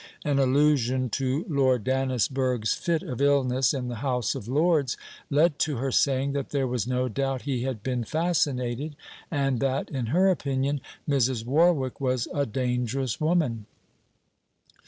An allusion to Lord Dannisburgh's fit of illness in the House of Lords led to her saying that there was no doubt he had been fascinated, and that, in her opinion, Mrs. Warwick was a dangerous woman.